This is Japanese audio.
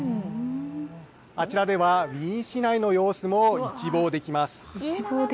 あちらではウィーン市内の様子を一望できます。